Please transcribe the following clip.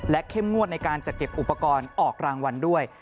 เข้มงวดในการจัดเก็บอุปกรณ์ออกรางวัลด้วย